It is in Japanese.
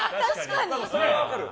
それは分かる。